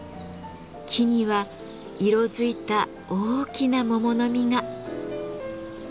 木には色付いた大きな桃の実が。